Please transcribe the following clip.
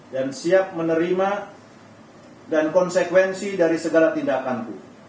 dan siap menerima dan konsekuensi dari segala tindakanku